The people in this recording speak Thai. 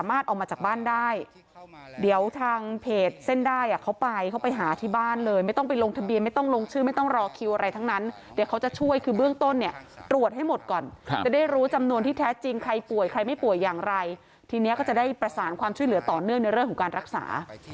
ไม่ต้องลงชื่อไม่ต้องรอคิวอะไรทั้งนั้นเดี๋ยวเขาจะช่วยคือเบื้องต้นเนี่ยตรวจให้หมดก่อนจะได้รู้จำนวนที่แท้จริงใครป่วยใครไม่ป่วยอย่างไรทีนี้ก็จะได้ประสานความช่วยเหลือต่อเนื่องในเรื่องของการรักษา